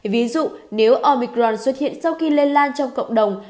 ví dụ nếu obicron xuất hiện sau khi lây lan trong cộng đồng